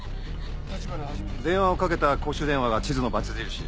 電話をかけた公衆電話が地図のバツ印。